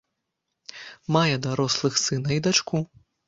Мае дарослых сына і дачку.